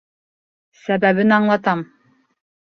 — Сәбәбен аңлатам.